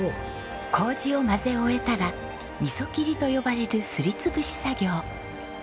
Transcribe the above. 糀を混ぜ終えたら「味噌きり」と呼ばれるすり潰し作業。